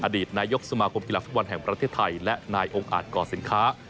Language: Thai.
อดีตนายกสมาคมกีฬาฟุตบอลแห่งประเทศไทยและนายองค์อาจก่อสินค้า